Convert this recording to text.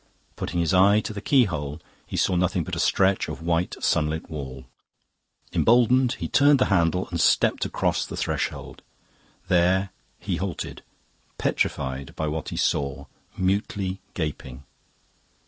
Putting his eye to the keyhole, he saw nothing but a stretch of white sunlit wall. Emboldened, he turned the handle and stepped across the threshold. There he halted, petrified by what he saw, mutely gaping.